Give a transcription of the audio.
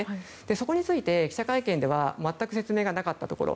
そこについて、記者会見で全く説明がなかったところ。